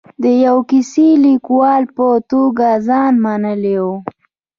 د یوه کیسه لیکوال په توګه ځان منلی و.